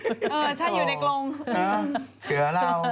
เออฉันอยู่ในกรงเสือเหล่า